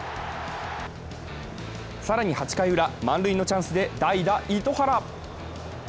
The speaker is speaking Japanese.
更に８回ウラ、満塁のチャンスで代打・糸原。